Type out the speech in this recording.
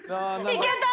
いけた！